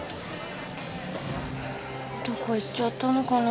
どこ行っちゃったのかな？